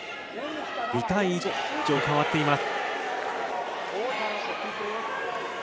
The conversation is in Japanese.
２対１と状況が変わっています。